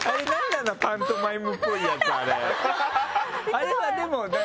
あれはでも何？